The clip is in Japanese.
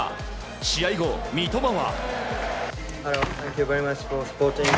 試合後、三笘は。